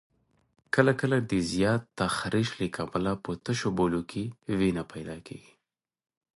کله کله د زیات تخریش له کبله په تشو بولو کې وینه پیدا کېږي.